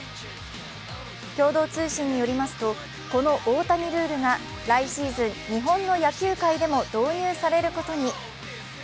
共同通信によりますと、この大谷ルールが来シーズン、日本の野球界でも導入されることに。